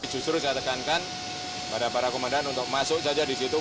justru saya tekankan pada para komandan untuk masuk saja di situ